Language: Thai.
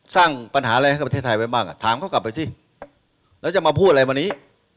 สร้างปัญหาอะไรให้กับประเทศไทยไว้บ้างอ่ะถามเขากลับไปสิแล้วจะมาพูดอะไรวันนี้